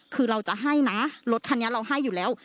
คือเราจะให้นะรถคันนี้เราให้อยู่แล้ว